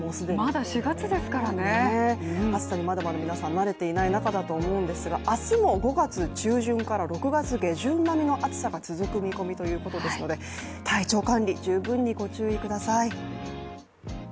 まだ４月ですからね、暑さにまだまだ皆さん慣れていない中だと思いますが明日も５月下旬から６月上旬並みの暑さが続くようですので体調管理、十分にご注意ください。